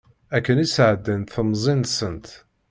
Akken i sɛeddant temẓi-nsent.